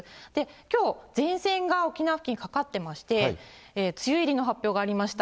きょう前線が沖縄付近かかってまして、梅雨入りの発表がありました。